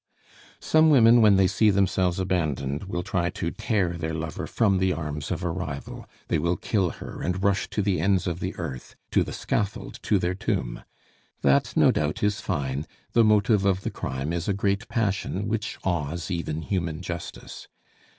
Some women when they see themselves abandoned will try to tear their lover from the arms of a rival, they will kill her, and rush to the ends of the earth, to the scaffold, to their tomb. That, no doubt, is fine; the motive of the crime is a great passion, which awes even human justice.